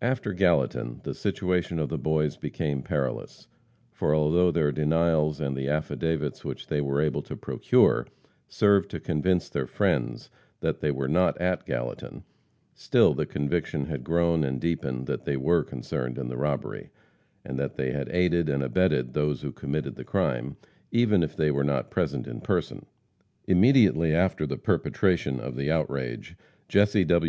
After Gallatin, the situation of the boys became perilous, for although their denials and the affidavits which they were able to procure, served to convince their friends that they were not at Gallatin; still the conviction had grown and deepened that they were concerned in the robbery, and that they had aided and abetted those who committed the crime, even if they were not present in person. Immediately after the perpetration of the outrage, Jesse W.